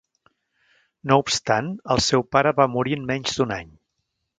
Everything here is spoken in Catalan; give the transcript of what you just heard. No obstant, el seu pare va morir en menys d'un any.